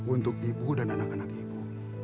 untuk ibu dan anak anak ibu